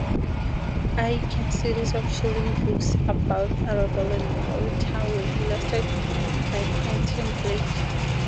Aiken's series of children's books about Arabel and Mortimer were illustrated by Quentin Blake.